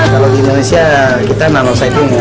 kalau di indonesia kita nano sighting